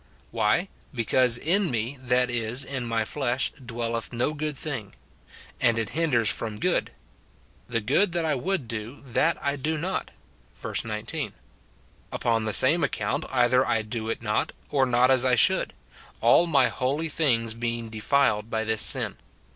Why, " Because in me (that is, in my flesh) dwelleth no good thing." And it hinders from good: "The good SIN IN BELIEVERS. 157 ttat I would do, that I do not," verse 19 ;—" Upon the same account, either I do it not, or not as I shoukl ; all my holy things being defiled by this sin."